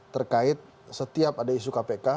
terkait setiap ada isu kpk